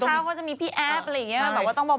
เมื่อเช้าเขาจะมีพี่แอฟอะไรอย่างนี้